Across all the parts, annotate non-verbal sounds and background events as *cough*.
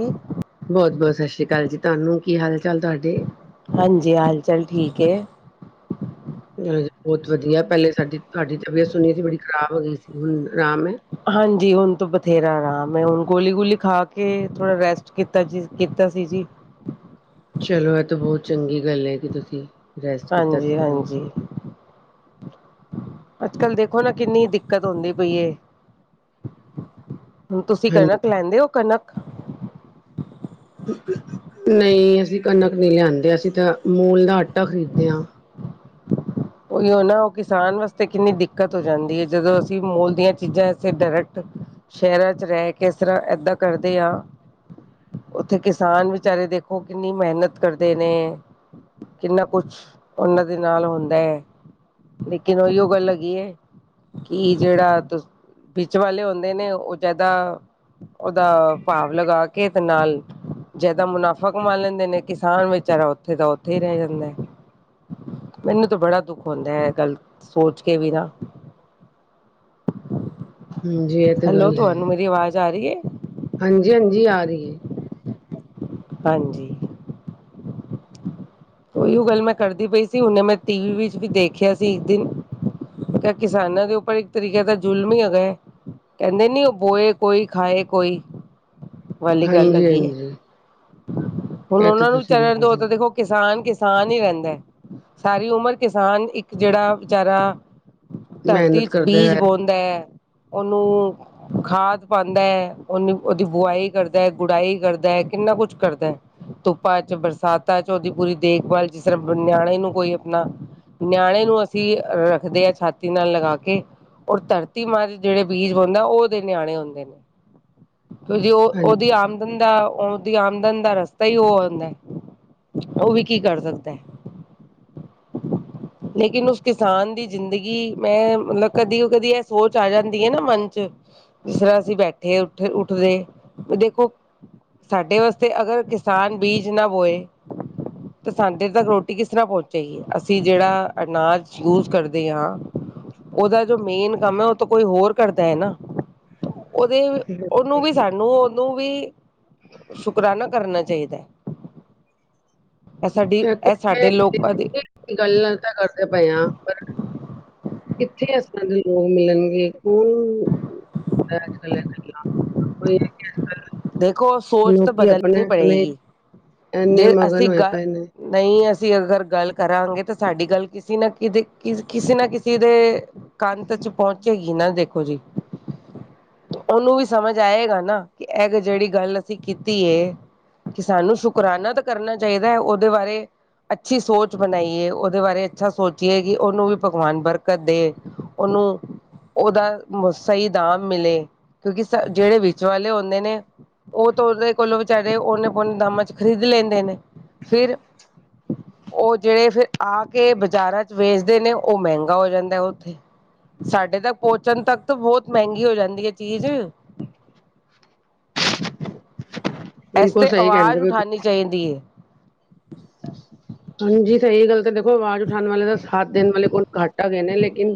ਹੂੰ ਬਹੁਤ ਬਹੁਤ ਸਤਿ ਸ੍ਰੀ ਅਕਾਲ ਜੀ ਤੁਹਾਨੂੰ ਕੀ ਹਾਲ ਚਾਲ ਤੁਹਾਡੇ ਹਾਂਜੀ ਹਾਲ ਚਾਲ ਠੀਕ ਬਹੁਤ ਵਧੀਆ ਪਹਿਲੇ ਸਾਡੀ ਤੁਹਾਡੀ ਤਬੀਅਤ ਸੁਣੀ ਸੀ ਬੜੀ ਖ਼ਰਾਬ ਹੋ ਗਈ ਸੀ ਹੁਣ ਆਰਾਮ ਹੈ ਹਾਂਜੀ ਹੁਣ ਤ ਬਥੇਰਾ ਰਹਾ ਮੈਂ ਹੁਣ ਗੋਲੀ ਗੋਲੀ ਖਾ ਕੇ ਥੋੜਾ ਰੈਸਟ ਕੀਤਾ ਜੀ ਕੀਤਾ ਸੀ ਜੀ ਚਲੋ ਇਹ ਤਾਂ ਬਹੁਤ ਚੰਗੀ ਗੱਲ ਹੈ ਕਿ ਤੁਸੀਂ ਰੈਸਟ ਕੀਤਾ ਤੇ ਹਾਂਜੀ ਤਬੀਅਤ ਹਾਂਜੀ ਅੱਜ ਕੱਲ ਦੇਖੋ ਨਾ ਕਿੰਨੀ ਦਿੱਕਤ ਹੁੰਦੀ ਪਈ ਤੁਸੀਂ ਹਾਂਜੀ ਕਣਕ ਲੈਂਦੇ ਹੋ ਕਣਕ ਨਹੀਂ ਅਸੀਂ ਕਣਕ ਨਹੀਂ ਲਿਆਂਦੇ ਅਸੀਂ ਤਾਂ ਮੂਲ ਦਾ ਆਟਾ ਖਰੀਦਦੇ ਹਾਂ ਉ ਨਾ ਉਹ ਕਿਸਾਨ ਵਾਸਤੇ ਕਿੰਨੀ ਦਿੱਕਤ ਹੋ ਜਾਂਦੀ ਹੈ ਜਦੋਂ ਅਸੀਂ ਮੂਲ ਦੀਆਂ ਚੀਜ਼ਾਂ ਇਥੇ ਡਾਇਰੈਕਟ ਸ਼ਹਿਰਾਂ ਚ ਰਹਿ ਕੇ ਤਰ੍ਹਾਂ ਏਦਾਂ ਕਰਦੇ ਹ ਉੱਥੇ ਕਿਸਾਨ ਵਿਚਾਰੇ ਦੇਖੋ ਕਿੰਨੀ ਮਿਹਨਤ ਕਰਦੇ ਨੇ। ਕਿੰਨਾ ਕੁਛ ਉਹਨਾਂ ਦੇ ਨਾਲ ਹੁੰਦਾ ਹੈ। ਲੇਕਿਨ ਉਹੀ ਉਹ ਗੱਲ ਹੈਗੀ ਹੈ। ਕਿ ਜਿਹੜਾ ਵਿੱਚ ਵਾਲੇ ਹੁੰਦੇ ਨੇ ਉਹ ਜਿਆਦਾ। ਉਹਦਾ ਭਾਵ ਲਗਾ ਕੇ ਤੇ ਨਾਲ। ਜਿਆਦਾ ਮੁਨਾਫ਼ਾ ਕਮਾ ਲੈਂਦੇ ਨੇ ਕਿਸਾਨ ਵਿਚਾਰਾ ਉੱਥੇ ਤਾਂ ਉੱਥੇ ਹੀ ਰਹਿ ਜਾਂਦਾ ਹੈ ਮੈਨੂੰ ਤਾਂ ਬੜਾ ਦੁੱਖ ਹੁੰਦਾ ਹੈ ਗੱਲ ਸੋਚ ਕੇ ਵੀ ਨਾ ਹਮਜੀ ਹੈਲੋ ਤੁਹਾਨੂੰ ਮੇਰੀ ਆਵਾਜ਼ ਆ ਰਹੀ ਹੈ ਹਾਂਜੀ ਹਾਂਜੀ ਆ ਰਹੀ ਹੈ ਹਾਂਜੀ ਉਹੀਓ ਗੱਲ ਮੈਂ ਕਰਦੀ ਪਈ ਸੀ ਉਹਨੇ ਮੈਂ ਟੀ ਵੀ ਵਿੱਚ ਵੀ ਦੇਖਿਆ ਸੀ ਇੱਕ ਦਿਨ ਕ ਕਿਸਾਨਾਂ ਦੇ ਉੱਪਰ ਇੱਕ ਤਰੀਕਾ ਤਾਂ ਜ਼ੁਲਮ ਹੀ ਹੈਗਾ ਹੈ ਕਹਿੰਦੇ ਨੀ ਉਹ ਬੋਏ ਕੋਈ ਖਾਏ ਕੋਈ ਵਾਲੀ ਗੱਲ ਲੱਗੀ ਹੈ ਹਾਂਜੀ-ਹਾਂਜੀ ਹੁਣ ਇਹ ਤੇ ਉਹਨਾਂ ਨੂੰ ਤੁਸੀਂ ਚਰਨ ਬਿਲਕੁਲ ਦੋ ਸਹੀ ਤਾਂ ਦੇਖੋ ਕਿਸਾਨ ਕਿਸਾਨ ਹੀ ਰਹਿੰਦਾ ਹੈ ਸਾਰੀ ਉਮਰ ਕਿਸਾਨ ਇੱਕ ਜਿਹੜਾ ਵਿਚਾਰਾ ਧਰਤੀ ਮਿਹਨਤ ਚ ਕਰਦਾ ਬੀਜ ਹੈ ਬਹਤ ਹੈ ਉਹਨੂੰ ਖਾਦ ਪਾਉਂਦਾ ਹੈ ਉਹਨੂੰ ਉਹਦੀ ਬੁਆਈ ਕਰਦਾ ਹੈ ਗੁਡਾਈ ਕਰਦਾ ਹੈ ਕਿੰਨਾ ਕੁਛ ਕਰਦਾ ਧੁੱਪਾ ਚ ਬਰਸਾਤਾਂ ਚ ਉਹਦੀ ਪੂਰੀ ਦੇਖਭਾਲ ਜਿਸ ਤਰ੍ਹਾਂ ਨਿਆਣੇ ਨੂੰ ਕੋਈ ਆਪਣਾ ਨਿਆਣੇ ਨੂੰ ਅਸੀਂ ਰੱਖਦੇ ਹਾਂ ਛਾਤੀ ਨਾਲ ਲਗਾ ਕੇ ਔਰ ਧਰਤੀ ਮਾਰ ਜਿਹੜੇ ਬੀਜ ਹੁੰਦਾ ਉਹਦੇ ਨਿਆਣੇ ਹੁੰਦੇ ਨੇ ਕਿਉਂ ਜਿ ਉਹ ਉਹਦੀ ਹਾਂਜੀ ਆਮ ਨ ਦਾ ਉਹਦੀ ਆਮਦਨ ਦਾ ਰਸਤਾ ਹੀ ਉਹ ਆਉਂਦਾ ਉਹ ਵੀ ਕੀ ਕਰ ਸਕਦਾ ਲੇਕਿਨ ਉਸ ਕਿਸਾਨ ਦੀ ਜ਼ਿੰਦਗੀ ਮੈਂ ਮਤਲਬ ਕਦੀ ਕਦੀ ਇਹ ਸੋਚ ਆ ਜਾਂਦੀ ਹੈ ਨਾ ਮਨ ਚ ਜਿਸ ਤਰ੍ਹਾਂ ਅਸੀਂ ਬੈਠੇ ਉੱਠ ਉੱਠਦੇ ਦੇਖੋ ਸਾਡੇ ਵਾਸਤੇ ਅਗਰ ਕਿਸਾਨ ਬੀਜ ਨਾ ਬੋਏ ਤੇ ਸਾਡੇ ਤੱਕ ਰੋਟੀ ਕਿਸ ਤਰ੍ਹਾਂ ਪਹੁੰਚੇਗੀ ਅਸੀਂ ਜਿਹੜਾ ਅਨਾਜ ਯੂਜ ਕਰਦੇ ਹਾਂ ਉਹਦਾ ਜੋ ਮੇਨ ਕੰਮ ਹੈ ਉਹ ਤਾਂ ਕੋਈ ਹੋਰ ਕਰਦਾ ਹੈ ਨਾ ਉਹਦੇ ਉਹਨੂੰ ਵੀ ਸਾਨੂੰ ਉਹਨੂੰ ਵੀ ਸ਼ੁਕਰਾਨਾ ਕਰਨਾ ਚਾਹੀਦਾ ਇਹ ਸਾਡੀ ਇਹ ਸਾਡੇ ਲੋਕਾਂ ਦੇ ਗੱਲਾਂ ਤਾਂ ਕਰਦੇ ਪਏ ਹ ਕਿੱਥੇ ਇਸ ਤਰ੍ਹਾਂ ਦੇ ਲੋਕ ਮਿਲਣਗੇ ਕੌਣ ਹੈ ਕੋਈ ਦੇਖੋ ਜਵਾਬ ਸੋਚ ਤਾਂ ਲੋਕੀ ਆਪਣੇ ਬਦਲਣੀ ਆਪਣੇ ਪੜੇਗੀ ਐਨੇ ਜੇ ਮਗਨ ਅਸੀਂ ਹੋਏ ਗੱਲ ਪਏ ਨੇ, ਨਹੀਂ ਅਸੀਂ ਅਗਰ ਗੱਲ ਕਰਾਂਗੇ ਤਾਂ ਸਾਡੀ ਗੱਲ ਕਿਸੇ ਨਾ ਕਿ ਕਿਸੇ ਨਾ ਕਿਸੇ ਦੇ, ਕੰਤ ਚ ਪਹੁੰਚੇਗੀ ਨਾ ਦੇਖੋ ਜੀ, ਉਹਨੂੰ ਵੀ ਸਮਝ ਆਏਗਾ ਨਾ ਇਹ ਜਿਹੜੀ ਗੱਲ ਅਸੀਂ ਕੀਤੀ ਹੈ। ਕਿ ਸਾਨੂੰ ਸ਼ੁਕਰਾਨਾ ਤਾਂ ਕਰਨਾ ਚਾਹੀਦਾ ਹੈ ਉਹਦੇ ਬਾਰੇ। ਅੱਛੀ ਸੋਚ ਬਣਾਈਏ ਉਹਦੇ ਬਾਰੇ ਅੱਛਾ ਸੋਚੀਏ ਕਿ ਉਹਨੂੰ ਵੀ ਭਗਵਾਨ ਬਰਕਤ ਦੇ, ਉਹਨੂੰ ਉਹਦਾ ਸਹੀ ਦਾਮ ਮਿਲੇ, ਕਿਉਂਕਿ ਜਿਹੜੇ ਵਿਚ ਵਾਲੇ ਨੇ ਉਹ ਤਾਂ ਉਹਦੇ ਕੋਲੋਂ ਵਿਚਾਰੇ ਓਨੇ ਪਨ ਦਾਮਾਂ ਚ ਖਰੀਦ ਲੈਂਦੇ ਨੇ, ਫਿਰ ਉਹ ਜਿਹੜੇ ਫਿਰ ਆ ਕੇ ਬਾਜ਼ਾਰਾਂ ਚ ਵੇਚਦੇ ਨੇ ਉਹ ਮਹਿੰਗਾ ਹੋ ਜਾਂਦਾ ਉੱਥੇ। ਸਾਡੇ ਤੱਕ ਪਹੁੰਚਣ ਤੱਕ ਤਾਂ ਬਹੁਤ ਮਹਿੰਗੀ ਹੋ ਜਾਂਦੀ ਹੈ ਚੀਜ਼ ਇਸ ਬਿਲਕੁਲ ਤੇ ਸਹੀ ਕਹਿੰਦੇ ਅਵਾਜ਼ ਪਏ ਉਠਾਉਣੀ ਚਾਹੀਦੀ ਹੈ। ਹਾਂਜੀ, ਸਹੀ ਗੱਲ ਤਾਂ ਦੇਖੋ ਆਵਾਜ਼ ਉਠਾਉਣ ਵਾਲੇ ਤਾਂ ਸਾਥ ਦੇਣ ਵਾਲੇ ਕੌਣ ਘੱਟ ਆ ਗਏ ਨੇ ਲੇਕਿਨ,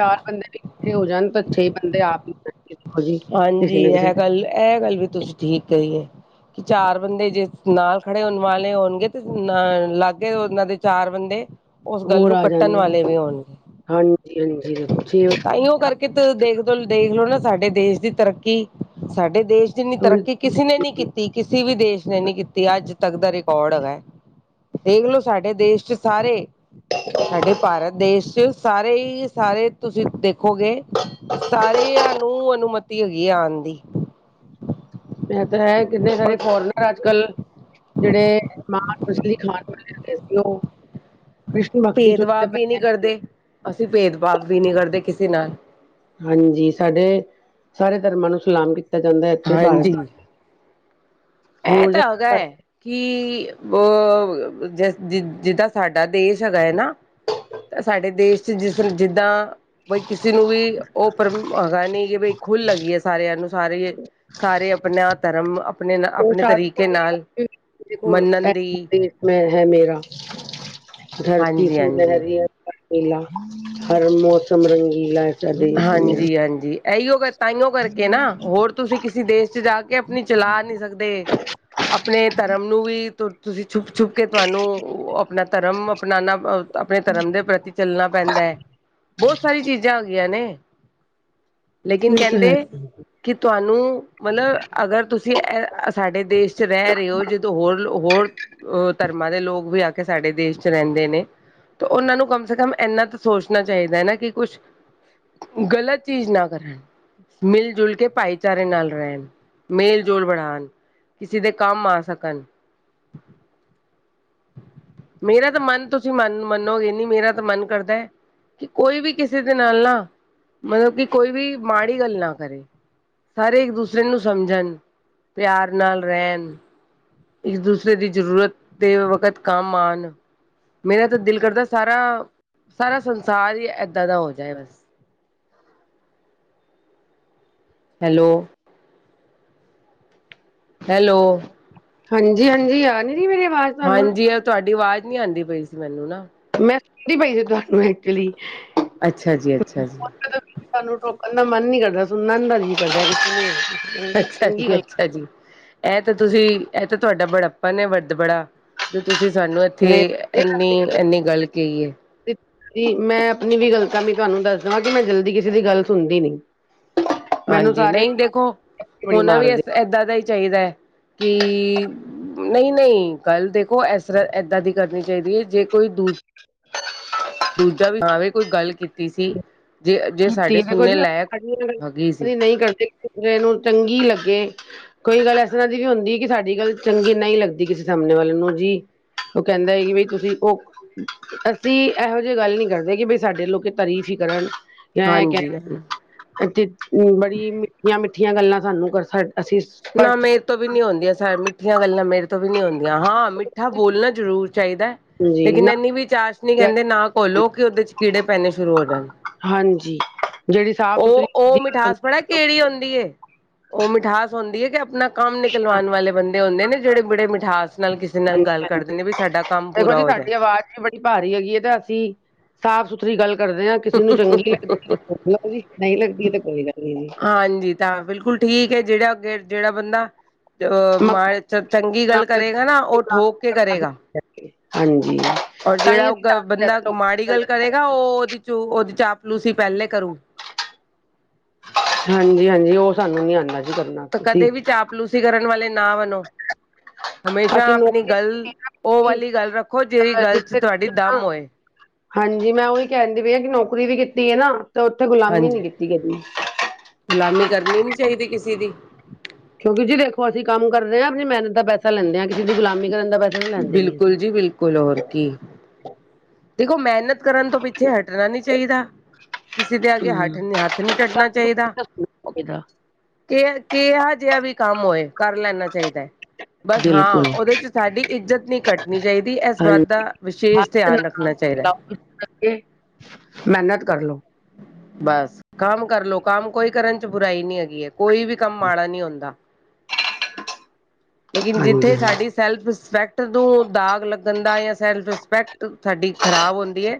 ਚਾਰ ਬੰਦੇ ਵੀ ਇਕਠੇ ਹੋ ਜਾਣ ਤਾਂ ਛੇ ਬੰਦੇ ਆਪ ਹੀ ਹੋਣਗੇ। ਦੇਖੋ ਜੀ ਹਾਂਜੀ, ਕਿਸੇ ਨਾ ਕਿਸੇ ਇਹ ਗੱਲ ਇਹ ਗੱਲ ਵੀ ਤੁਸੀਂ ਠੀਕ ਕਰੀਏ ਕਿ ਚਾਰ ਬੰਦੇ ਜੇ ਨਾਲ ਖੜੇ ਹੋਣ ਵਾਲੇ ਹੋਣਗੇ ਤੇ ਅ ਲਾਗੇ ਉਹਨਾਂ ਦੇ ਚਾਰ ਬੰਦੇ ਉਸ ਗੱਲ ਹੋਰ ਨੂੰ ਆ ਕੱਟਣ ਜਾਣਗੇ ਵਾਲੇ ਵੀ ਹੋਣਗੇ ਹਾਂਜੀ-ਹਾਂਜੀ ਦੇਖੋ ਛੇ ਤਾਂ ਇਓ ਕਰਕੇ ਦੇਖ, ਦੇਖ ਲੋ ਨਾ ਸਾਡੇ ਦੇਸ਼ ਦੀ ਤਰੱਕੀ ਸਾਡੇ ਦੇਸ਼ ਜਿੰਨੀ ਥੋੜੀ ਤਰੱਕੀ ਕਿਸੇ ਨੇ ਨੀ ਕੀਤੀ, ਕਿਸੇ ਵੀ ਦੇਸ਼ ਨੇ ਨਹੀ ਕੀਤੀ ਅੱਜ ਤੱਕ ਦਾ ਰਿਕਾਰਡ ਹੈਗਾ ਦੇਖਲੋ ਸਾਡੇ ਦੇਸ਼ ਚ ਸਾਰੇ ਸਾਡੇ ਭਾਰਤ ਦੇਸ਼ ਚ ਸਾਰੇ ਹੀ ਸਾਰੇ ਤੁਸੀਂ ਦੇਖੋ ਹੋ ਗਏ, ਸਾਰਿਆਂ ਨੂੰ ਅਨੁਮਤੀ ਹੈਗੀ ਆ ਆਉਣ ਦੀ ਮ ਤਾਂ ਹੈ ਕਿੰਨੇ ਔਰ ਸਾਰੇ ਫੋਰਨ ਪਰ ਅੱਜ ਕੱਲ ਜਿਹੜੇ ਮਾਂਸ ਮਛਲੀ ਖਾਨ ਵਾਲੇ ਹੈਗੇ ਸੀ ਉਹ ਕ੍ਰਿਸ਼ਨ ਭਗਤੀ ਚ ਭੇਦਭਾਵ ਉਲਝੇ ਪਏ ਵੀ ਨੀ ਨੇ ਕਰਦੇ, ਅਸੀਂ ਭੇਦਭਾਵ ਵੀ ਨੀ ਕਰਦੇ ਕਿਸੇ ਨਾਲ, ਹਾਂਜੀ, ਸਾਡੇ ਸਾਰੇ ਧਰਮਾਂ ਨੂੰ ਸਲਾਮ ਕੀਤਾ ਜਾਂਦਾ ਹੈ ਇੱਥੇ ਹਾਂਜੀ ਭਾਰਤ, ਇਹ ਹੋਰ ਤਾਂ ਹੋ ਗ ਜਗ੍ਹਾ ਕਿ ਅ ਜ ਜਿੱਦਾਂ ਸਾਡਾ ਦੇਸ਼ ਹੈਗਾ ਹੈ ਨਾ, ਤਾਂ ਸਾਡੇ ਦੇਸ਼ ਚਚ ਜਿਸ ਜਿੱਦਾਂ। ਬਈ ਕਿਸੇ ਨੂੰ ਵੀ ਉਹ ਪਰ ਹੈਗਾ ਨੀ ਕਿ ਬਈ ਖੁੱਲ ਲਗੀ ਹੈ ਸਾਰਿਆਂ ਨੂੰ ਸਾਰੇ, ਸਾਰੇ ਆਪਣਾ ਧਰਮ ਆਪਣੇ, ਉਹ ਆਪਣੇ ਸ਼ਦ ਤਰੀਕੇ ਨਾਲ ਦੇਖੋ ਮੰਨਣ ਦੀ ਮੈਂ ਹੈ ਮੇਰਾ ਧਰਤੀ ਹਾਂਜੀ ਸੀ ਹਾਂਜੀ ਲਹਿਰੀ ਹੈ ਰੀਲਾ ਹਰ ਮੌਸਮ ਰੰਗੀਲਾ ਐਸਾ ਦੇਸ਼ ਹੈ ਮੇਰਾ ਹਾਂਜੀ- ਹਾਂਜੀ ਇਹੀਓ ਗ ਤਾਂਓ ਕਰਕੇ ਨਾ ਹੋਰ ਤੁਸੀਂ ਕਿਸੇ ਦੇਸ਼ ਚ ਜਾ ਕੇ ਆਪਣੀ ਚਲਾ ਨਹੀ ਸਕਦੇ। ਆਪਣੇ ਧਰਮ ਨੂੰ ਵੀ ਤੁਸੀਂ ਛੁੱਪ ਛੁੱਪ ਕੇ ਤੁਹਾਨੂੰ ਆਪਣਾ ਧਰਮ ਅਪਨਾਨਾ। ਆਪਣੇ ਧਰਮ ਦੇ ਪ੍ਰਤੀ ਚੱਲਣਾ ਪੈਂਦਾ ਹੈ ਬਹੁਤ ਸਾਰੀਆਂ ਚੀਜ਼ਾਂ ਹੁੰਦੀਆ ਨੇ, ਲੇਕਿਨ ਇਹ ਤਾਂ ਕਹਿੰਦੇ ਹੈ ਕਿ ਤੁਹਾਨੂੰ ਮਤਲਬ ਅਗਰ ਤੁਸੀਂ ਅ ਸਾਡੇ ਦੇਸ਼ ਚ ਰਹਿ ਰਹੇ ਹੋ ਜਦੋਂ ਹੋਰ ਹੋਰ। ਉਹ ਧਰਮਾਂ ਦੇ ਲੋਕ ਵੀ ਆ ਕੇ ਸਾਡੇ ਦੇਸ਼ ਚ ਰਹਿੰਦੇ ਨੇ, ਉਹਨਾਂ ਨੂੰ ਕਮ ਸੇ ਕਮ ਇੰਨਾ ਤਾਂ ਸੋਚਣਾ ਚਾਹੀਦਾ ਹੈ ਨਾ ਕਿ ਕੁਛ ਗਲਤ ਚੀਜ਼ ਨਾ ਕਰਨ ਮਿਲ ਜੁਲ ਕੇ ਭਾਈਚਾਰੇ ਨਾਲ ਰਹਿਣ ਮੇਲ ਜੋਲ ਬਣਾਣ। ਕਿਸੇ ਦੇ ਕੰਮ ਆ ਸਕਣ, ਮੇਰਾ ਤਾਂ ਮਨ ਤੁਸੀਂ ਮਨ ਮੰਨੋਗੇ ਨਹੀਂ ਮੇਰਾ ਤਾਂ ਮਨ ਕਰਦਾ ਐ ਕਿ ਕੋਈ ਵੀ ਕਿਸੇ ਦੇ, ਨਾਲ ਨਾ ਮਤਲਬ ਕਿ ਕੋਈ ਵੀ ਮਾੜੀ ਗੱਲ ਨਾ ਕਰੇ ਸਾਰੇ ਇੱਕ ਦੂਸਰੇ ਨੂੰ ਸਮਝਣ, ਪਿਆਰ ਨਾਲ ਰਹਿਣ। ਇੱਕ ਦੂਸਰੇ ਦੀ ਜ਼ਰੂਰਤ ਤੇ ਵਕਤ ਕੰਮ ਆਉਣ। ਮੇਰਾ ਤਾਂ ਦਿਲ ਕਰਦਾ ਸਾਰਾ, ਸਾਰਾ ਸੰਸਾਰ ਹੀ ਇਏਦਾਂ ਦਾ ਹੋ ਜਾਏ ਬਸ। ਹੈਲੋ। ਹੈਲੋ। ਹਾਂਜੀ- ਹਾਂਜੀ ਆ ਨ ਮੇਰੀ ਆਵਾਜ਼ ਤੁਹਾਨੂੰ ਹਾਂਜੀ ਆ ਤੁਹਾਡੀ ਆਵਾਜ਼ ਨਹੀ ਆਉਂਦੀ ਪਈ ਸੀ ਮੈਨੂੰ ਨਾ ਮੈਂ ਸੁਣਦੀ ਪਈ ਸੀ ਤੁਹਾਨੂੰ ਐਕਚੁਲੀ ਅੱਛਾ ਜੀ ਅੱਛਾ ਜੀ, ਸਾਨੂੰ ਰੋਕਣ ਦਾ ਮਨ ਨੀ ਕਰਦਾ ਸੁਣਨਾ *unintelligible* ਅੱਛਾ ਜੀ ਅੱਛਾ ਜੀ, ਇਹ ਤਾਂ ਤੁਸੀਂ ਇਹ ਤਾਂ ਤੁਹਾਡਾ ਬੜਾਪਣ ਐ ਵਰਦਬੜਾ ਜੋ ਤੁਸੀਂ ਸਾਨੂੰ ਉੱਥੇ ਨਹੀਂ ਇੰਨੀ ਇੰਨੀ ਗੱਲ ਕਹੀ ਐ। ਮੈਂ ਆਪਣੀ ਵੀ ਗੱਲ ਤਾਂ ਵੀ ਤੁਹਾਨੂੰ ਦੱਸ ਦੇਵਾਂ ਕਿ ਮੈਂ ਜਲਦੀ ਕਿਸੇ ਦੀ ਗੱਲ ਸੁਣਦੀ ਨੀ। ਮੈਨੂੰ ਹਾਂਜੀ, ਸਾਰੇ ਨਹੀਂ ਦੇਖੋ ਬੜੀ ਹੋਣਾ ਵੀ ਮਾਰਦੇ ਏਦਾਂ ਦਾ ਹੀ ਚਾਹੀਦਾ ਕਿ ਨਹੀਂ-ਨਹੀਂ, ਗੱਲ ਦੇਖੋ ਇਸ ਤਰ੍ਹਾਂ ਏਦਾਂ ਦੀ ਕਰਨੀ ਚਾਹੀਦੀ ਹੈ ਜੇ ਕੋਈ ਦੂਜ ਦੂਜਾ ਵੀ ਹਾਂ ਵੀ ਕੋਈ ਗੱਲ ਕੀਤੀ ਸੀ। ਜੇ ਜੇ ਕੀਤੀ ਸਾਡੇ ਦੇਖੋ ਸੁਣਨੇ ਲਾਇਕ *unintelligible* ਹੈਗੀ ਸੀ ਨਹੀਂ ਕਰਦੇ ਦੂਜੇ ਨੂੰ ਚੰਗੀ ਲੱਗੇ। ਕੋਈ ਗੱਲ ਇਸ ਤਰ੍ਹਾਂ ਦੀ ਵੀ ਹੁੰਦੀ ਕਿ ਸਾਡੀ ਗੱਲ ਚੰਗੀ ਨਹੀਂ ਲੱਗਦੀ ਕਿਸੇ ਸਾਹਮਣੇ ਵਾਲੇ ਨੂੰ ਜੀ। ਉਹ ਕਹਿੰਦਾ ਐ ਕੀ ਵੀ ਤੁਸੀਂ ਓ, ਅਸੀਂ ਇਹੋ ਜਿਹੀ ਗੱਲ ਨੀ ਕਰਦੇ ਕਿ ਬਈ ਸਾਡੇ ਲੋਕ ਤਾਰੀਫ਼ ਹੀ ਕਰਨ। ਇਹ ਕ ਹਾਂਜੀ ਤੇ ਬੜੀ ਮਿੱਠੀਆਂ-ਮਿੱਠੀਆਂ ਗੱਲਾਂ ਸਾਨੂੰ ਕਰ ਸਕ ਨਾ ਮੇ, ਰੇ ਤੋਂ ਵੀ ਨਹੀਂ ਹੁੰਦੀਆਂ ਸ ਮਿੱਠੀਆਂ ਗੱਲਾਂ ਮੇਰੇ ਤੋਂ ਵੀ ਨਹੀਂ ਹੁੰਦੀਆਂ ਹਾਂ ਮਿੱਠਾ ਬੋਲਣਾ ਜ਼ਰੂਰ ਚਾਹੀਦਾ। ਹਾਂਜੀ ਲੇਕਿਨ ਨਾ ਐਨੀ ਵੀ ਚਾਸ਼ਨੀ ਕਹਿੰਦੇ ਨਾ ਘੋਲੋ ਕਿ ਉਹਦੇ ਚ ਕੀੜੇ ਪੈਣੇ ਸ਼ੁਰੂ ਹੋ ਜਾਣ। ਹਾਂਜੀ, ਜਿਹੜੀ ਸਾਫ਼ ਸੁਥਰੀ ਉਹ ਉਹ ਦੀ ਗੱਲ ਮਿਠਾਸ ਬੜਾ ਕਿਹੜੀ ਆਉਂਦੀ ਉਹ ਮਿਠਾਸ ਹੁੰਦੀ ਕਿ ਆਪਣਾ ਕੰਮ ਨਿਕਲਵਾਣ ਵਾਲੇ ਬੰਦੇ ਹੁੰਦੇ ਨੇ ਜਿਹੜੇ ਬੜੇ ਮਿਠਾਸ ਨਾਲ ਕਿਸੇ ਨਾਲ ਗੱਲ ਹਾਂਜੀ ਕਰਦੇ ਨੇ ਵੀ ਸਾਡਾ ਕੰਮ ਦੇਖੋ ਪੂਰਾ ਹੋਜੇ। *inaudible* ਭਾਰੀ ਹੈਗੀ ਐ ਤੇ ਅਸੀਂ ਸਾਫ਼ ਸੁਥਰੀ ਗੱਲ ਕਰਦੇ ਆ। ਕਿਸੇ ਨੂੰ ਚੰਗੀ ਲੱਗਦੀ ਨਹੀਂ ਲੱਗਦੀ ਤੇ ਕੋਈ ਗੱਲ ਨੀ ਜੀ। ਹਾਂਜੀ, ਤਾਂ ਬਿਲਕੁਲ ਠੀਕ ਹੈ ਜਿਹੜਾ ਅੱਗੇ ਜਿਹੜਾ ਬੰਦਾ ਮੱਖਣ ਚੰਗੀ ਨਾ ਗੱਲ ਹੋਵੇ ਕਰੇਗਾ ਨਾ ਉਹ ਠੋਕ ਕੇ ਕਰੇਗਾ। ਹਾਂਜੀ, ਔਰ ਤਾਂ ਜਿਹੜਾ ਹੀ ਅਸੀਂ ਉਹ ਜ਼ਿਆਦਾ ਬੰਦਾ ਲੋਕਾਂ ਮਾੜੀ ਨੂੰ ਪਸੰਦ ਗੱਲ ਨਹੀਂ ਕਰੇਗਾ ਉਹ ਆਉਂਦੇ ਉਹਦੇ ਚ ਉਹਦੇ ਚ ਚਾਪਲੂਸੀ ਪਹਿਲੇ ਕਰੂ ਹਾਂਜੀ-ਹਾਂਜੀ, ਉਹ ਸਾਨੂੰ ਨੀ ਆਂਦਾ। ਤਾਂ ਕਦੇ ਵੀ ਚਾਪਲੂਸੀ ਕਰਨ ਵਾਲੇ ਨਾ ਬਣੋ। ਹਮੇਸ਼ਾ ਅਸੀਂ ਆਪਣੀ ਨੌਕਰੀ ਗੱਲ ਉਹ ਕੀਤੀ ਵਾਲੀ ਗੱਲ ਰੱਖੋ ਜਿਹੜੀ ਨਾ ਅ ਗੱਲ 'ਚ ਜਿੱਥੇ ਤੁਹਾਡੀ ਨਾ ਦਮ ਹੋਏ। ਹਾਂਜੀ, ਮੈਂ ਉਹੀ ਕਹਿੰਦੀ ਪਈ ਆ ਕਿ ਨੌਕਰੀ ਵੀ ਕੀਤੀ ਐ ਨਾ ਤੇ ਉੱਥੇ ਗੁਲਾਮੀ ਹਾਂਜੀ ਨੀ ਕੀਤੀ ਕਦੀ। ਗੁਲਾਮੀ ਕਰਨੀ ਨਹੀਂ ਚਾਹੀਦੀ ਕਿਸੇ ਦੀ ਕਿਉਂਕਿ ਜੀ ਦੇਖੋ ਅਸੀਂ ਕੰਮ ਕਰਦੇ ਆ ਆਪਣੀ ਮਿਹਨਤ ਦਾ ਪੈਸ ਲੈਂਦੇ ਆ ਕਿਸੇ ਦੀ ਗੁਲਾਮੀ ਕਰਨ ਦਾ ਪੈਸਾ ਨੀ ਲੈਂਦੇ ਅਸੀਂ। ਬਿਲਕੁਲ ਜੀ ਬਿਲਕੁਲ ਹੋਰ ਕੀ, ਦੇਖੋ ਮਿਹਨਤ ਕਰਨ ਤੋਂ ਪਿੱਛੇ ਹਟਣਾ ਨੀ ਚਾਹੀਦਾ। ਕਿਸੇ ਦੇ ਅੱਗੇ ਹੱਠ ਹੂੰ ਹੱਥ ਨਹੀਂ ਅੱਡਣਾ ਚਾਹੀਦਾ। ਇਹਦਾ ਕਿ ਕਿ ਜਿਹਾ ਵੀ ਕੰਮ ਹੋਏ ਕਰ ਲੈਣਾ ਚਾਹੀਦਾ। ਬਸ ਹਾਂ ਬਿਲਕੁਲ ਉਹਦੇ ਚ ਸਾਡੀ ਇੱਜ਼ਤ ਨਹੀਂ ਘੱਟਣੀ ਚਾਹੀਦੀ ਇਸ ਵਤ ਦਾ ਵਿਸ਼ੇਸ਼ ਧਿਆਨ ਰੱਖ ਕੇ ਮਿਹਨਤ ਕਰਲੋ ਬਸ ਕੰਮ ਕਰਲੋ ਕੰਮ ਕੋਈ ਕਰਨ ਚ ਬੁਰਾਈ ਨੀ ਹੈਗੀ ਹੈ। ਕੋਈ ਵੀ ਕੰਮ ਮਾੜਾ ਨਹੀਂ ਹੁੰਦਾ ਲੇਕਿਨ ਹਾਂਜੀ ਜਿੱਥੇ ਸਾਡੀ ਸੈਲਫ ਰਿਸਪੈਕਟ ਨੂੰ ਦਾਗ ਲੱਗਣ ਦਾ ਜਾਂ ਸੈਲਫ ਰਿਸਪੈਕਟ ਸਾਡੀ ਖ਼ਰਾਬ ਹੁੰਦੀ ਐ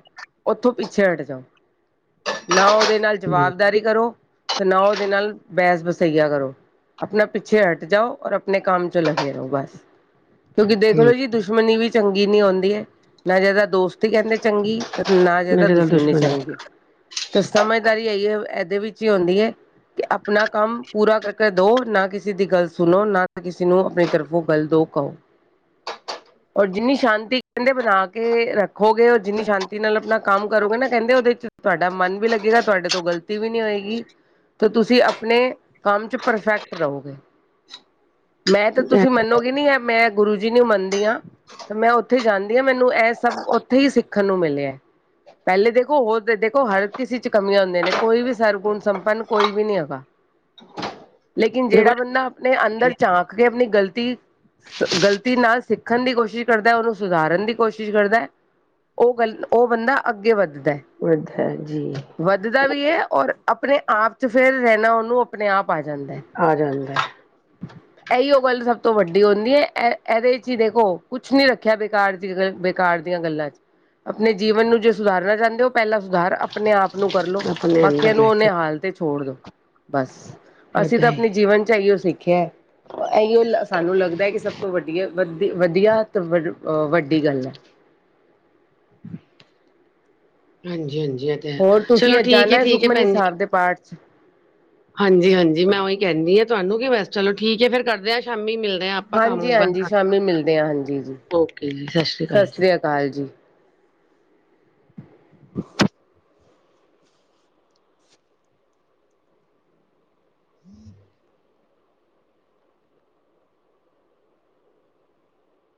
ਉੱਥੋਂ ਪਿੱਛੇ ਹਟ ਜਾਓ। ਨਾ ਉਹਦੇ ਨਾਲ ਜਵਾਬਦਾਰੀ ਕਰੋ ਤੇ ਨਾ ਉਹਦੇ ਨਾਲ ਬਹਿਸ ਵਸਈਆ ਕਰੋ। ਆਪਣਾ ਪਿੱਛੇ ਹਟ ਜਾਓ ਔਰ ਆਪਣੇ ਕੰਮ ਚ ਲੱਗੇ ਰਹੋ ਬਸ। ਕਿਉਂਕਿ ਦੇਖ ਲਓ ਹੂੰ ਜੀ ਦੁਸ਼ਮਣੀ ਵੀ ਚੰਗੀ ਨੀ ਹੁੰਦੀ ਹੈ ਨਾ ਜ਼ਿਆਦਾ ਦੋਸਤ ਕਹਿੰਦੇ ਚੰਗੀ ਨਾ ਜ਼ਿਆਦਾ ਮੇਰੇ ਦਾ ਦੁਸ਼ਮਣੀ ਦੁਸ਼ਮਣ ਚੰਗੀ। ਤੇ ਸਮਝਦਾਰੀ ਇਹੀ ਆ ਇਹਦੇ ਵਿੱਚ ਈ ਹੁੰਦੀ ਐ ਕਿ ਆਪਣਾ ਕੰਮ ਪੂਰਾ ਕਰਕੇ ਦੋ ਨਾ ਕਿਸੇ ਦੀ ਗੱਲ ਸੁਣੋ ਨਾ ਕਿਸੇ ਨੂੰ ਆਪਣੀ ਤਰਫੋਂ ਗੱਲ ਦੋ ਕਹੋ *inaudible* ਔਰ ਜਿੰਨੀ ਸ਼ਾਂਤੀ ਕਹਿੰਦੇ ਬਣਾ ਕੇ ਰੱਖੋਗੇ ਔਰ ਜਿੰਨੀ ਸ਼ਾਂਤੀ ਨਾਲ ਆਪਣਾ ਕੰਮ ਕਰੋਗੇ ਨਾ ਕਹਿੰਦੇ ਉਹਦੇ ਚ ਤੁਹਾਡਾ ਮਨ ਵੀ ਲੱਗੇਗਾ ਤੁਹਾਡੇ ਤੋਂ ਗ਼ਲਤੀ ਵੀ ਨਈ ਹੋਏਗੀ ਤਾਂ ਤੁਸੀਂ ਆਪਣੇ ਕੰਮ 'ਚ ਪਰਫੈਕਟ ਰਹੋ ਮੈਂ ਤਾਂ ਹੈ। ਤੁਸੀਂ ਮੰਨੋਗੇ ਨੀ ਮੈਂ ਗੁਰੂ ਜੀ ਨੂੰ ਮੰਨਦੀ ਆ ਤੇ ਮੈਂ ਉੱਥੇ ਜਾਂਦੀ ਆ ਮੈਨੂੰਏ ਸਭ ਉੱਥੇ ਹੀ ਸਿੱਖਣ ਨੂੰ ਮਿਲਿਐ ਪਹਿਲੇ ਦੇਖੋ ਹੋਰ ਦੇਖੋ ਹਰ ਕਿਸੇ ਚ ਕਮੀਆਂ ਹੁੰਦੀਆਂ ਨੇ ਕੋਈ ਵੀ ਸਰਗੁਣ ਸੰਪੰਨ ਕੋਈ ਵੀ ਨੀ ਹੈਗਾ ਲੇਕਿਨ ਦੇਖੋ ਜਿਹੜਾ ਬੰਦਾ ਆਪਨੇ ਅੰਦਰ ਜੀ ਝਾਂਕ ਕੇ ਆਪਨੀ ਗ਼ਲਤੀ ਗ਼ਲਤੀ ਨਾਲ ਸਿੱਖਣ ਦੀ ਕੋਸ਼ਿਸ਼ ਕਰਦਾ ਉਸਨੂੰ ਸੁਧਾਰਨ ਦੀ ਕੋਸ਼ਿਸ਼ ਕਰਦਾ ਉਹ ਗੱਲ ਉਹ ਬੰਦਾ ਅੱਗੇ ਵੱਧਦਾ ਵਧੀਆ ਹੈ ਜੀ ਵੱਧਦਾ ਵੀ ਹੈ ਔਰ ਆਪਣੇ ਆਪ ਚ ਫੇਰ ਰਹਿਣਾ ਉਹਨੂੰ ਆਪਣੇ ਆਪ ਆ ਜਾਂਦਾ ਹੈ ਆ ਜਾਂਦਾ ਇਹੀ ਉਹ ਗੱਲ ਸਭ ਤੋਂ ਵੱਡੀ ਹੁੰਦੀ ਹੈ ਇਹ ਇਹਦੇ ਚ ਹੀ ਦੇਖੋ ਕੁਛ ਨੀ ਰੱਖਿਆ ਬਕਾਰ ਦੀ ਗ ਬੇਕਾਰ ਦੀਆਂ ਗੱਲਾਂ ਚ ਆਪਣੇ ਜੀਵਨ ਨੂੰ ਜੇ ਸੁਧਾਰਨਾ ਚਾਹੁੰਦੇ ਹੋ ਉਹ ਪਹਿਲਾਂ ਰ ਆਪਣੇ ਆਪ ਨੂੰ ਕਰਲੋ ਆਪਣੇ ਬਾਕੀਆਂ ਅੰਦਰ ਨੂੰ ਲੈ ਉਨੇ ਕੇ ਹਾਲ ਤੇ ਛੋੜ ਦੋ ਬਸ ਅਸੀਂ ਤਾਂ ਏਦਾਂ ਆਪਣੇ ਹੀ ਜੀਵਨ ਚ ਇਹੀਓ ਸਿੱਖਿਆ ਇਹੀਓ ਸਾਨੂੰ ਲੱਗਦਾ ਹੈ ਕਿ ਸਭ ਤੋਂ ਵਧੀਆ ਵਧ ਵਧੀਆ ਤੇ ਵ ਅ ਵੱਡੀ ਗੱਲ ਹਾਂਜੀ, ਹਾਂਜੀ ਇਹ ਤੇ ਹੇ ਹੋਰ ਤੁਸੀਂ ਚਲੋ ਅੱਜ ਜਾਣਾ ਠੀਕ ਹੈ ਠੀਕ ਹਏ ਸੁਖਮਨੀ ਭੈਣ ਜੀ ਸਾਹਿਬ ਦੇ ਪਾਠ ਚ ਹਾਂਜੀ, ਹਾਂਜੀ ਮੈਂ ਉਹੀ ਕਹਿੰਦੀ ਆ ਤੁਹਾਨੂੰ ਕਿ ਬਸ ਚਲੋ ਠੀਕ ਏ ਫਿਰ ਕਰਦੇ ਹਾਂ ਸ਼ਾਮੀ ਮਿਲਦੇ ਹ ਆਪ ਹਾਂਜੀ, ਹਾਂਜੀ ਸ਼ਾਮੀ ਮਿਲਦੇ ਆ ਹਾਂਜੀ ਜੀ ਓਕੇ ਜੀ ਅਕਾਲ। ਸਤਿ ਸ਼੍ਰੀ ਅਕਾਲ ਜੀ *inaudible* ਹਮ *inaudible*